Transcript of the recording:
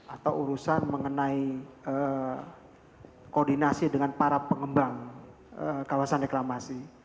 atau urusan mengenai koordinasi dengan para pengembang kawasan reklamasi